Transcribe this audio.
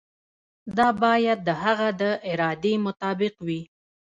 دا باید د هغه د ارادې مطابق وي.